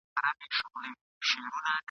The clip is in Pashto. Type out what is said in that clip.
له ناکامه د خپل کور پر لور روان سو !.